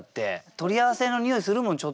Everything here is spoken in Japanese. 取り合わせのにおいするもんちょっと。